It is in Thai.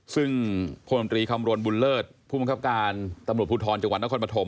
ซึ่งพลตรีคำรวณบุญเลิศผู้บังคับการตำรวจภูทรจังหวัดนครปฐม